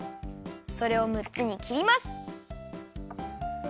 それを６つにきります。